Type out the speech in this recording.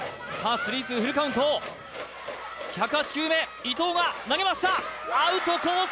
スリーツーフルカウント１０８球目伊藤が投げましたアウトコース